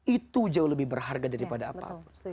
itu jauh lebih berharga daripada apa